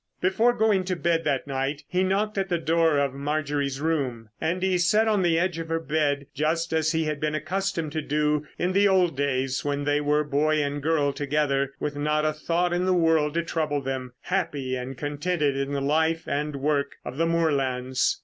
Before going to bed that night he knocked at the door of Marjorie's room, and he sat on the edge of her bed just as he had been accustomed to do in the old days when they were boy and girl together with not a thought in the world to trouble them, happy and contented in the life and work of the moorlands.